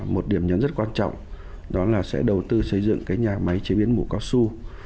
một điểm nhấn rất quan trọng là sẽ đầu tư xây dựng nhà máy chế biến mũ cao su